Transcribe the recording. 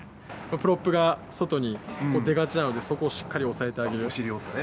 プロップが外に出がちなのでそこをしっかり抑えてあげる。